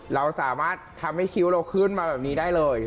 เราสามารถทำให้คิ้วเราขึ้นมาแบบนี้ได้เลย